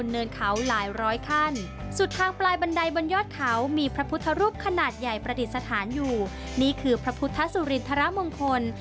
นี่คือพระพุทธสุรินทรมงคล